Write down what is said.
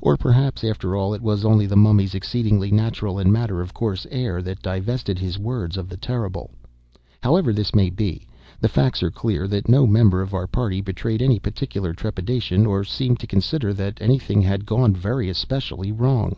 Or, perhaps, after all, it was only the Mummy's exceedingly natural and matter of course air that divested his words of the terrible. However this may be, the facts are clear, and no member of our party betrayed any very particular trepidation, or seemed to consider that any thing had gone very especially wrong.